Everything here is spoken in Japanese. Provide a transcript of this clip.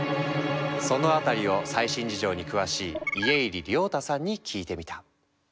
そのあたりを最新事情に詳しい家入龍太さんに聞いてみた。